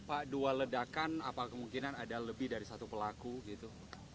pak dua ledakan apa kemungkinan ada lebih dari satu pelaku gitu